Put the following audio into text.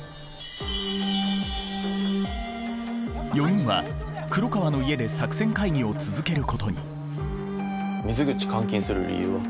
４人は黒川の家で作戦会議を続けることに水口監禁する理由は？